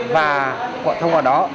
và qua thông qua đó